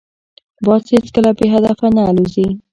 باز هیڅکله بې هدفه نه الوزي